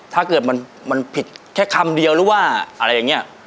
ถ้าเกิดมันผิดแค่คำเดียวหรือว่าอะไรอย่างนี้